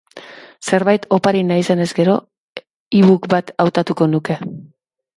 Zerbait opari nahi izanez gero, ebook bat hautatuko nuke.